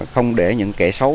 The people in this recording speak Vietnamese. không để những kẻ xấu